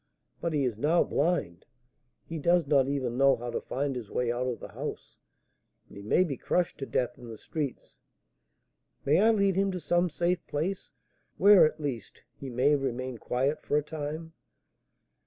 But he is now blind, he does not even know how to find his way out of the house, and he may be crushed to death in the streets; may I lead him to some safe place, where, at least, he may remain quiet for a time?"